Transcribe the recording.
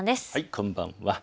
こんばんは。